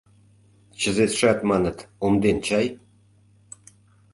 Чызетшат, маныт, омден чай?